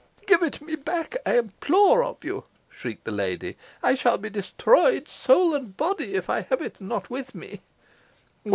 "Give it me back, I implore of you," shrieked the lady. "I shall be destroyed, soul and body, if I have it not with me."